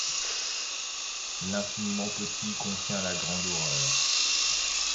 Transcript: L’infiniment petit contient la grande horreur ;